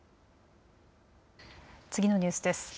次のニュースです。